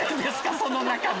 その中の。